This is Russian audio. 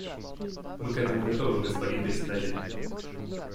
Мы к этому готовы, господин Председатель.